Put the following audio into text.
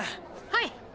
はい！